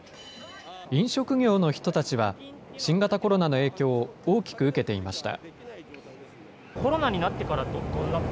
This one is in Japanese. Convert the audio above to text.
飲食業の人たちは、新型コロナの影響を大きく受けていました。